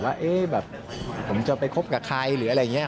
ว่าแบบผมจะไปคบกับใครหรืออะไรอย่างนี้